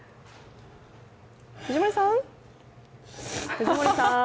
藤森さーん！